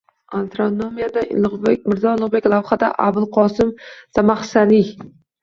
astronomiyada Mirzo Ulug‘bek, nahvda Abulqosim Zamaxshariy